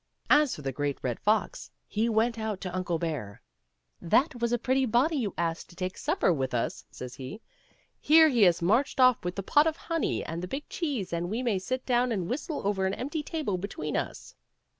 As for the Great Red Fox, he went out to Uncle Bear ." That was a pretty body you asked to take supper with us," says he ;" here he has marched off with the pot of honey and the big cheese, and we may sit down and whistle over an empty table between us."